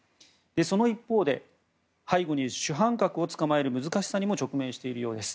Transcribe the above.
その一方、背後に主犯格を捕まえる難しさにも直面しているようです。